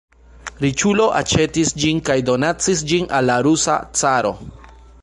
Riĉulo aĉetis ĝin kaj donacis ĝin al la rusa caro.